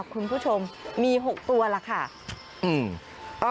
คุณผู้ชมมี๖ตัวล่ะค่ะ